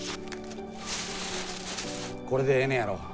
これでええねやろ。